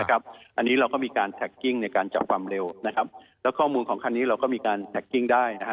อันนี้เราก็มีการแท็กกิ้งในการจับความเร็วนะครับแล้วข้อมูลของคันนี้เราก็มีการแท็กกิ้งได้นะฮะ